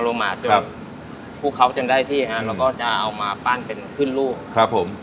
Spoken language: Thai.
อโรมาคุกเคล้าส่วนได้ที่นะเราก็จะเอามาปั้นเป็นขึ้นลูกครับผม